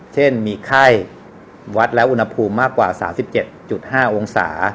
เช่นมีไข้วัดและอุณหภูมิมากกว่าสามสิบเจ็ดจุดห้าองศา